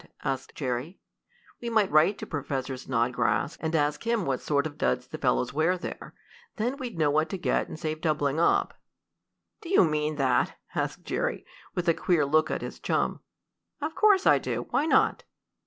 asked Jerry. "We might write to Professor Snodgrass, and ask him what sort of duds the fellows wear there. Then we'd know what to get and save doubling up." "Do you mean that?" asked Jerry, with a queer look at his chum. "Of course I do. Why not?"